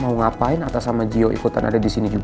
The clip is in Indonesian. mau ngapain atas sama jio ikutan ada di sini juga